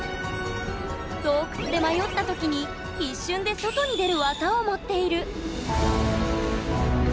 洞窟で迷った時に一瞬で外に出るわざを持っている！